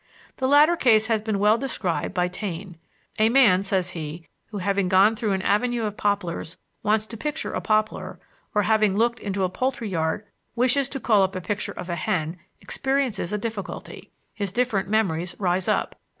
The latter case has been well described by Taine. A man, says he, who, having gone through an avenue of poplars wants to picture a poplar; or, having looked into a poultry yard, wishes to call up a picture of a hen, experiences a difficulty his different memories rise up.